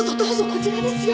こちらですよ。